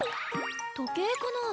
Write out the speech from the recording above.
とけいかな？